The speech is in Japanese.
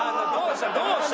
どうした？